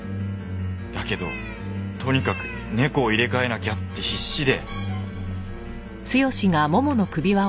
だけどとにかく猫を入れ替えなきゃって必死で。